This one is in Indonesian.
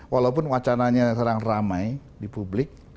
walaupun wacananya sedang ramai di publik